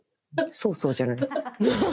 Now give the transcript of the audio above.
「そうそう」じゃない。